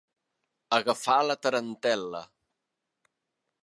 Agafar la tarantel·la.